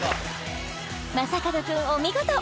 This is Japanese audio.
正門くんお見事！